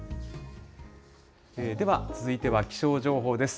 では、続いては気象情報です。